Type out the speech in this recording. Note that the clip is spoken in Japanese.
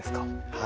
はい。